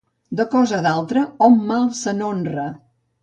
De cosa d'altre, hom mal se n'honra.